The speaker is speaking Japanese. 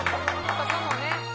ここもね。